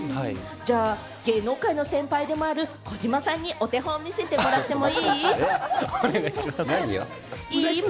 芸能界の先輩でもある児嶋さんにお手本を見せてもらってもいい？何を？